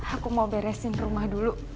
aku mau beresin rumah dulu